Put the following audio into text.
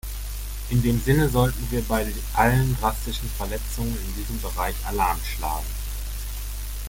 In dem Sinne sollten wir bei allen drastischen Verletzungen in diesem Bereich Alarm schlagen.